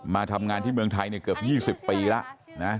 มาทำงานที่เมืองไทยเกือบ๒๐ปีแล้วนะ